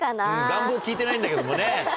願望聞いてないんだけどもね。